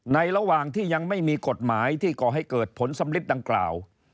ระหว่างที่ยังไม่มีกฎหมายที่ก่อให้เกิดผลสำลิดดังกล่าว